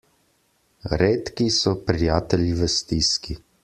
Redki so prijatelji v stiski.